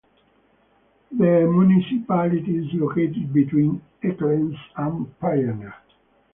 The municipality is located between Echallens and Payerne.